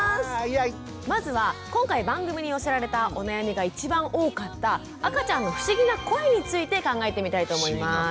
まずは今回番組に寄せられたお悩みが一番多かった赤ちゃんの不思議な声について考えてみたいと思います。